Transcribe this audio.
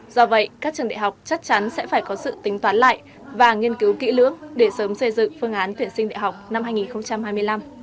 do vậy các trường đại học chắc chắn sẽ phải có sự tính toán lại và nghiên cứu kỹ lưỡng để sớm xây dựng phương án tuyển sinh đại học năm hai nghìn hai mươi năm